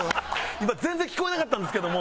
今全然聞こえなかったんですけども。